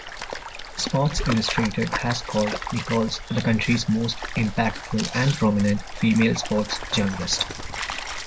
Sports Illustrated has called Nichols the country's most impactful and prominent female sports journalist.